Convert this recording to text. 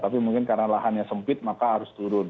tapi mungkin karena lahannya sempit maka harus turun